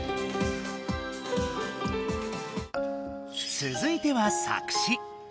つづいては作詞。